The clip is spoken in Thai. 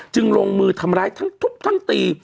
จึงลงมือทำร้ายทุบทั้งตี